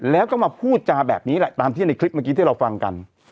แล้วก็มาพูดจาแบบนี้แหละตามที่ในคลิปเมื่อกี้ที่เราฟังกัน